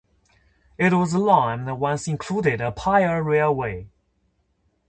It was long and once included a pier railway.